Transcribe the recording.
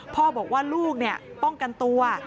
พ่อบอกว่าลูกป้องกันตัว